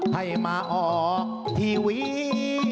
ให้มาออกทีวี